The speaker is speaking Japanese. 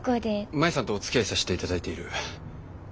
舞さんとおつきあいさしていただいている柏木です。